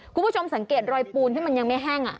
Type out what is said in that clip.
คุณผู้ชมสังเกตรอยปูนที่มันยังไม่แห้ง